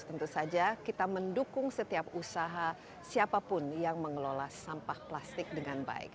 tentu saja kita mendukung setiap usaha siapapun yang mengelola sampah plastik dengan baik